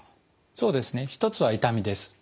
そうですね一つは痛みです。